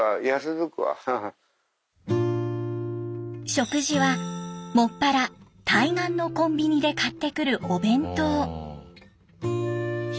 食事はもっぱら対岸のコンビニで買ってくるお弁当。